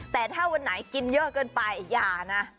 แต่ถ้าวันไหนกินเยอะเกินไปอย่านะ